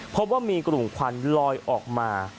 พบว่ามีกลุ่มควันลอยออกมา